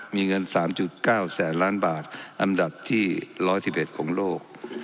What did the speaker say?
มีเงินสามจุดเก้าแสนล้านบาทอันดับที่ร้อยที่เป็นของโลก